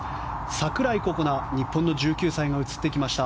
櫻井心那、日本の１９歳が映ってきました。